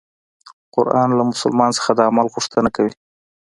قرآن له مسلمان څخه د عمل غوښتنه کوي.